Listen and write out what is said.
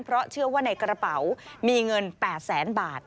เพราะเชื่อว่าในกระเป๋ามีเงิน๘แสนบาท